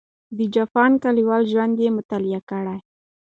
د جاپان کلیوالو ژوند یې مطالعه کړ.